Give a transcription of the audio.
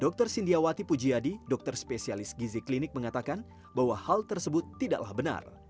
dr sindiawati pujiadi dokter spesialis gizi klinik mengatakan bahwa hal tersebut tidaklah benar